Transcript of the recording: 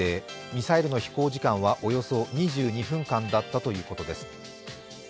ミサイルの飛行時間はおよそ２２分間だったということです。